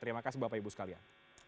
terima kasih bapak ibu sekalian